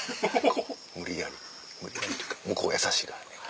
無理やり無理やりというか向こう優しいから。